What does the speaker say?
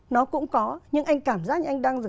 nó cũng có nhưng anh cảm giác như anh đang